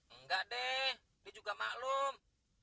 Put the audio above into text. enggak deh dia juga maklum